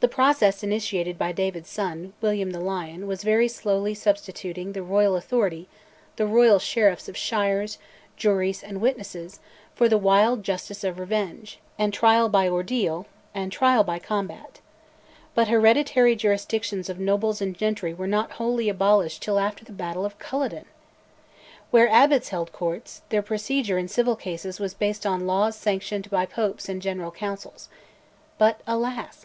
The process initiated by David's son, William the Lion, was very slowly substituting the royal authority, the royal sheriffs of shires, juries, and witnesses, for the wild justice of revenge; and trial by ordeal, and trial by combat. But hereditary jurisdictions of nobles and gentry were not wholly abolished till after the battle of Culloden! Where Abbots held courts, their procedure, in civil cases, was based on laws sanctioned by popes and general councils. But, alas!